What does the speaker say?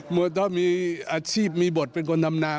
เมื่อต้องมีอาชีพมีบทเป็นคนทำนา